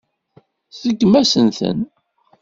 Tseggem-asent-ten.